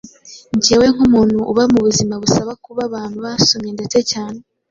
Njyewe nk’umuntu uba mu buzima busaba kuba abantu basomye ndetse cyane